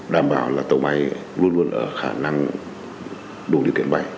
đảm bảo là tàu bay luôn luôn ở khả năng đủ điều kiện bay